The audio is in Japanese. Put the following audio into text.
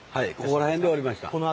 ここら辺におりました。